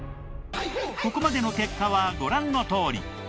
ここまでの結果はご覧のとおり。